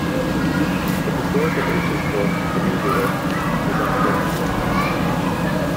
The historical basis for Dominguito is unclear.